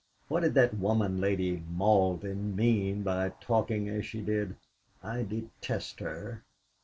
What did that woman, Lady Malden, mean by talking as she did? I detest her!"